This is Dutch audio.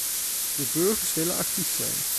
De burgers willen actief zijn.